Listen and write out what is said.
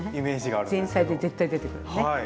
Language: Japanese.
前菜で絶対出てくるよね。